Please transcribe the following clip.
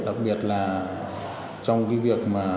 đặc biệt là trong cái việc